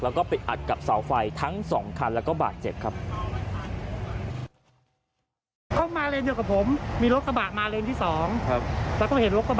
แล้วก็ไปอัดกับเสาไฟทั้ง๒คันแล้วก็บาดเจ็บครับ